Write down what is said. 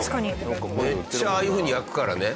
めっちゃああいう風に焼くからね。